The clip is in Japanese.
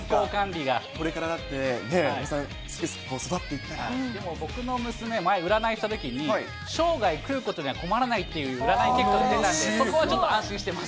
これからだってね、でも僕の娘、前、占い行ったときに、生涯食うことには困らないっていう占い結果が出たんで、そこはちょっと安心しています。